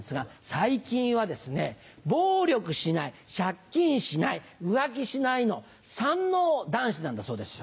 最近はですね「暴力しない借金しない浮気しない」の三ＮＯ男子なんだそうですよ